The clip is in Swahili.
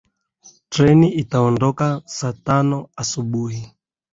Treni itaondoka saa tano asubuhi.